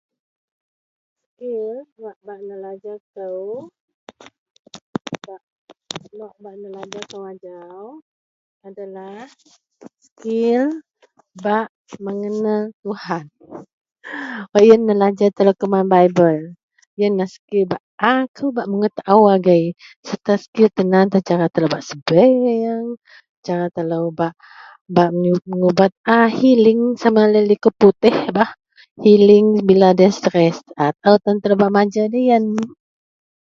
Skil ba nelajar kou. Skil wak bak nelajar kou ajau adalah skil bak mengenal Tuhan wak iyen nelajer telo kuman bible iyenlah bak akou tao agei serta skil kutan cara telo bak sibiyeng cara telo bak mengubat (healing) sama laei liko putih bah healing bila distress taao telo bak majar doloyen.